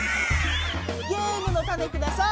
ゲームのタネください。